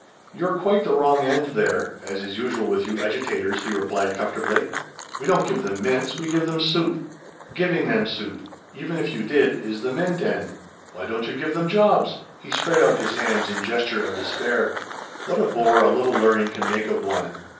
"You're quite the wrong end there as is usual with you agitators," he replied comfortably. "We don't give them mints. We give them soup." "Giving them soup even if you did is the mint end. Why don't you give them jobs?" He spread out his hands in gesture of despair. "What a bore a little learning can make of one!